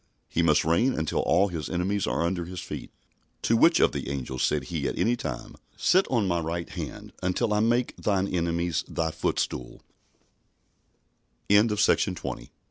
He must reign until all His enemies are under His feet. "To which of the angels said he at any time, Sit on my right hand, until I make thine enemies thy footstool?"